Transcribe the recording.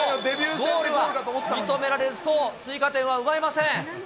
ゴールは認められず、そう、追加点は奪えません。